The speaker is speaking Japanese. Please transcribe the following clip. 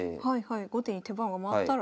後手に手番が回ったら。